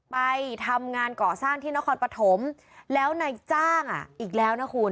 ไปทำงานก่อสร้างที่นครปฐมแล้วนายจ้างอ่ะอีกแล้วนะคุณ